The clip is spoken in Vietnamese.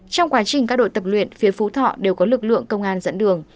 trong quá trình các đội tập luyện phía phú thọ đều có lực lượng công an dẫn đường